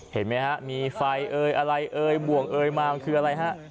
เห็นไหมฮะมีไฟเอ่ยอะไรเอ่ยบ่วงเอยมามันคืออะไรฮะ